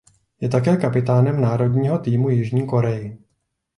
Je také kapitánem národního týmu Jižní Korey.